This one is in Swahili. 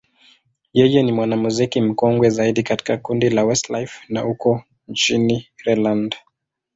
yeye ni mwanamuziki mkongwe zaidi katika kundi la Westlife la huko nchini Ireland.